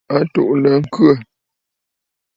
A tuʼulə ŋkhə.